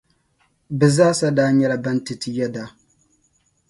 Bɛ zaasa daa nyɛla ban ti ti yɛda.